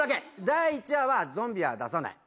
第１話はゾンビは出さない。